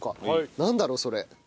なんだろう？それ。